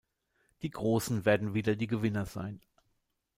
Die Großen werden wieder die Gewinner sein.